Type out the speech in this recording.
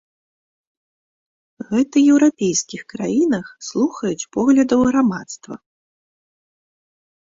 Гэта еўрапейскіх краінах слухаюць поглядаў грамадства.